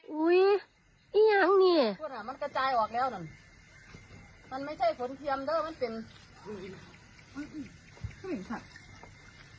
อุ๊ยอิหยังนี่